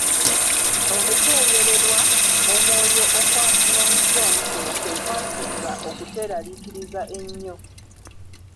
Okukeeyererwa omwoyo okwa Long John kuno kwe kwasinga okutweraliikiriza ennyo.